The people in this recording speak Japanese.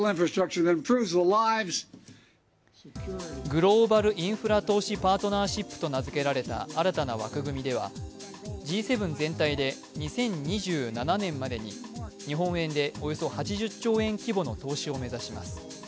グローバル・インフラ投資パートナーシップと名付けられた新たな枠組みでは、Ｇ７全体で２０２７年までに日本円でおよそ８０兆円規模の投資を目指します。